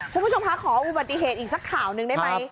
ผมชมค่ะขอบุตสีเหตุอีกซักข่าวนึงได้มั้ย